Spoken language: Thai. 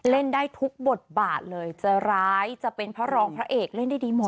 เล่นได้ทุกบทบาทเลยจะร้ายจะเป็นเพราะรองพระเอกเล่นได้ดีหมด